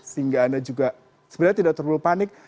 sehingga anda juga sebenarnya tidak terlalu panik